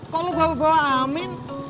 kok lu bawa bawa amin